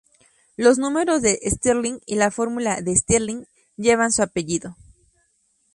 Los números de Stirling y la fórmula de Stirling llevan su apellido.